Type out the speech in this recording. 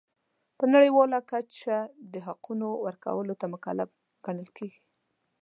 په نړیواله کچه د حقونو ورکولو ته مکلف ګڼل کیږي.